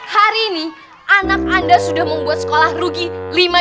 hari ini anak anda sudah membuat sekolah rugi